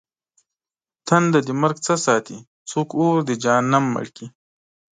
تنده د مرگ څه ساتې؟! څوک اور د جهنم مړ کړي؟!